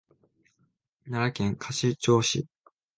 奈良県葛城市